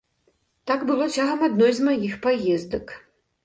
Так было цягам адной з маіх паездак.